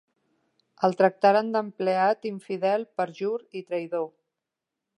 El tractaren d'empleat infidel, perjur i traïdor.